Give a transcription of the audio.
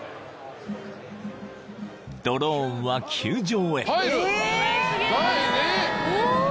［ドローンは球場へ］